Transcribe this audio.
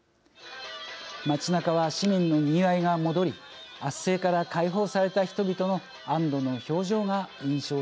街なかは市民の賑わいが戻り圧政から解放された人々の安どの表情が印象的でした。